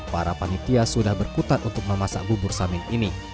para panitia sudah berkutan untuk memasak bubur samit ini